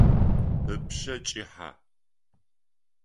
Ыпшъэ кӏыхьэ.